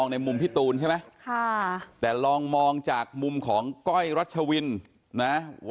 ในมุมพี่ตูนใช่ไหมค่ะแต่ลองมองจากมุมของก้อยรัชวินนะ